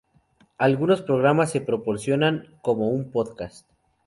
Algunos programas se proporcionan como un podcast.